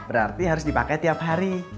berarti harus dipakai tiap hari